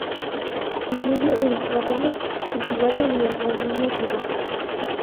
Incluye el rábano cultivado y el rábano salvaje.